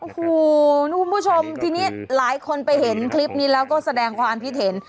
คุณผู้ชมทีนี้หลายคนไปเห็นคลิปนี้แล้วก็แสดงความอันพิเศษ